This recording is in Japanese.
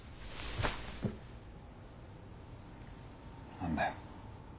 何だよ。